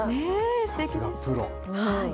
さすがプロ。